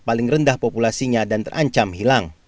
paling rendah populasinya dan terancam hilang